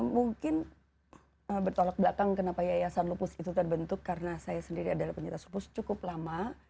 mungkin bertolak belakang kenapa yayasan lupus itu terbentuk karena saya sendiri adalah penyintas lupus cukup lama